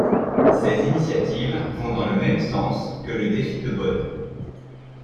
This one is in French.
Ces initiatives vont dans le même sens que le Défi de Bonn.